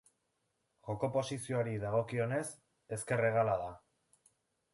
Joko posizioari dagokionez, ezker-hegala da.